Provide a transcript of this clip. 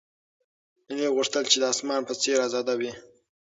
هیلې غوښتل چې د اسمان په څېر ازاده وي.